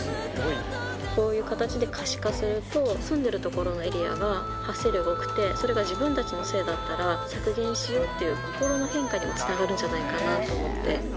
こういう形で可視化すると、住んでいる所のエリアは発生量が多くて、それが自分たちのせいだったら、削減しようという心の変化にもつながるんじゃないかなと思って。